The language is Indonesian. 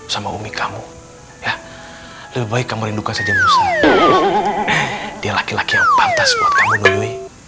sama umi kamu ya lebih baik kamu rindukan saja bisa dia laki laki yang pantas buat kamu dului